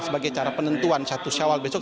sebagai cara penentuan satu syawal besok